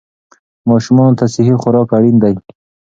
ماشومان ته صحي خوراک اړین دی.